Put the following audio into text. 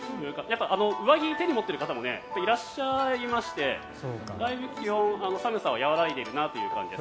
上着、手に持っている方もやっぱりいらっしゃいましてだいぶ寒さは和らいでいるなという感じです。